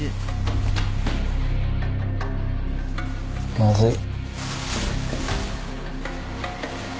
まずい。